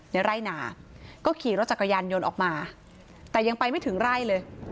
ในไร่นาก็ขี่รถจักรยานยนต์ออกมาแต่ยังไปไม่ถึงไร่เลย